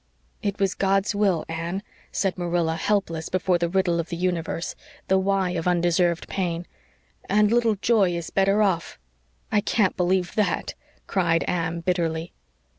"It was God's will, Anne," said Marilla, helpless before the riddle of the universe the WHY of undeserved pain. "And little Joy is better off." "I can't believe THAT," cried Anne bitterly.